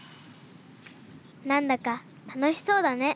何だか楽しそうだね。